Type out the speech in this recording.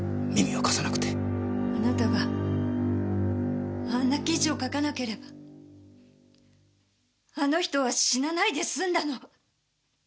あなたがあんな記事を書かなければあの人は死なないですんだの。